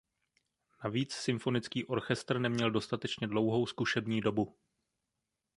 Navíc symfonický orchestr neměl dostatečně dlouhou zkušební dobu.